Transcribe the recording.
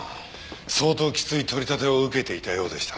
相当きつい取り立てを受けていたようでした。